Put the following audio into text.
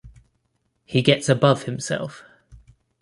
He gets above himself.